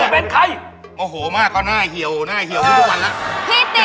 อย่างเธอเนี่ยถ้าเกิดถอดรกเท้านี่หมาเลี่ยหูถึงเลยนะ